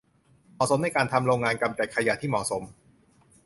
เหมาะสมในการทำโรงงานกำจัดขยะที่เหมาะสม